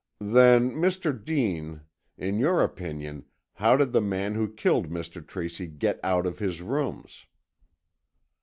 "Then, Mr. Dean, in your opinion, how did the man who killed Mr. Tracy get out of his rooms?"